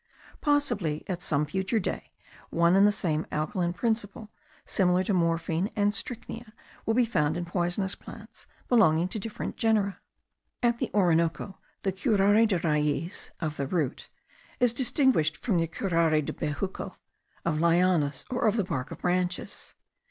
Possibly at some future day, one and the same alkaline principle, similar to morphine and strychnia, will be found in poisonous plants belonging to different genera. At the Orinoco the curare de raiz (of the root) is distinguished from the curare de bejuco (of lianas, or of the bark of branches).